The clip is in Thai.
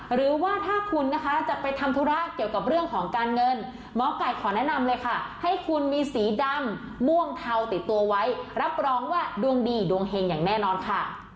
หรือว่าถ้าคุณนะคะจะไปทำธุระเกี่ยวกับเรื่องของการเงินหมอไก่ขอแนะนำเลยค่ะให้คุณมีสีดำม่วงเทาติดตัวไว้รับรองว่าดวงดีดวงเฮงอย่างแน่นอนค่ะ